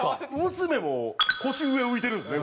娘も腰上浮いてるんですね